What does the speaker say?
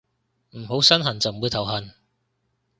唔好身痕就唔會頭痕